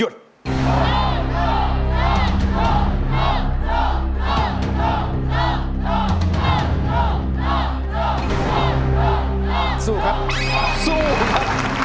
สู้ครับสู้ครับ